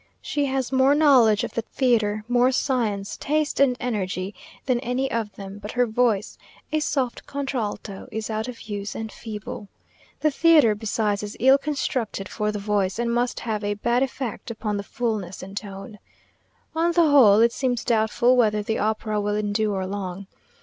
She has more knowledge of the theatre, more science, taste, and energy, than any of them; but her voice, a soft contralto, is out of use and feeble. The theatre, besides, is ill constructed for the voice, and must have a bad effect upon the fulness and tone. On the whole, it seems doubtful whether the opera will endure long.